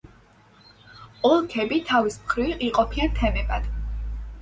ოლქები, თავის მხრივ, იყოფიან თემებად.